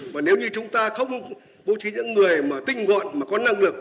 và nếu như chúng ta không bố trí những người mà tinh gọn mà có năng lực